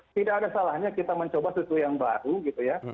tidak ada salahnya kita mencoba sesuatu yang baru gitu ya